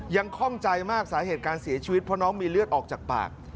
คล่องใจมากสาเหตุการเสียชีวิตเพราะน้องมีเลือดออกจากปาก